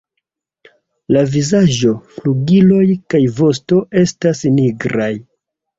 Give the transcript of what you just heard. La vizaĝo, flugiloj kaj vosto estas nigraj.